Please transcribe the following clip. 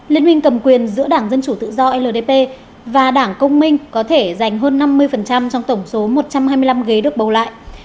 liên minh cầm quyền giữa đảng dân chủ tự do ldp và đảng công minh có thể giành hơn năm mươi trong tổng số một trăm hai mươi năm ghế được bầu lại